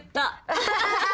アハハハ！